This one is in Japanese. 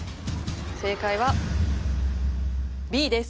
正解はＢです。